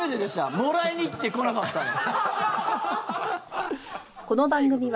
もらいに行って来なかったのは。